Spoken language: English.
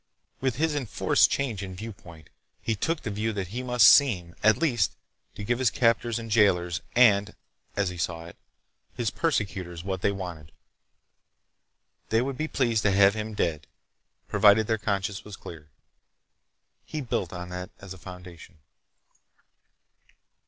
With his enforced change in viewpoint, he took the view that he must seem, at least, to give his captors and jailers and—as he saw it—his persecutors what they wanted. They would be pleased to have him dead, provided their consciences were clear. He built on that as a foundation.